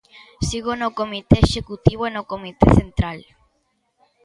Sigo no Comité Executivo e no Comité Central.